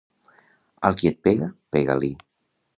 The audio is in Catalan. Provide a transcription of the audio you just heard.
Al qui et pega, pega-li.